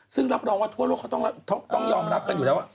ซึ่งรับรองว่าทั่วโลกเขาต้องยอมรับกันอยู่แล้วว่า